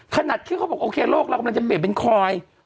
ขนาดที่เขาบอกโอเคโลกเรากำลังจะเปลี่ยนเป็นคอย